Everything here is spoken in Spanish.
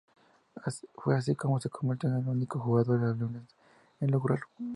Fue así como se convirtió en el único jugador de los Leones en lograrlo.